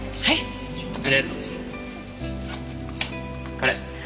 これ。